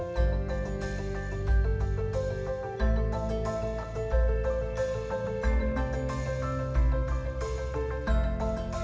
ใช่ครับ